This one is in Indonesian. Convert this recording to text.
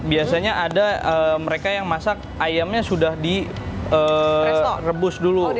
biasanya ada mereka yang masak ayamnya sudah direbus dulu